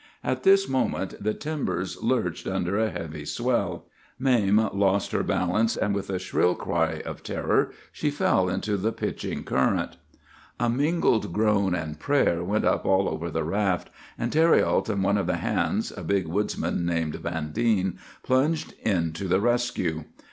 "At this moment the timbers lurched under a heavy swell. Mame lost her balance, and with a shrill cry of terror she fell into the pitching current. "A mingled groan and prayer went up all over the raft; and Thériault and one of the hands, a big woodsman named Vandine, plunged in to the rescue.